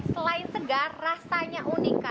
selain segar rasanya unik